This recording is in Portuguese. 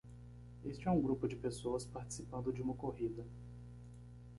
este é um grupo de pessoas participando de uma corrida